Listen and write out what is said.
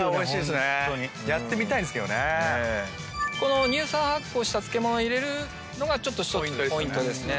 この乳酸発酵した漬物入れるのが１つポイントですね。